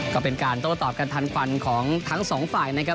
ก็เป็นการโต้ตอบกันทันควันของทั้งสองฝ่ายนะครับ